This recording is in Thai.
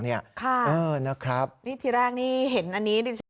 ค่ะนี่ทีแรกเห็นอันนี้